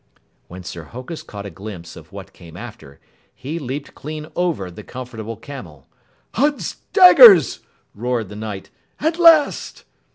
When Sir Hokus caught a glimpse of what came after, he leaped clean over the Comfortable Camel. "Uds daggers!" roared the Knight. "_At last!"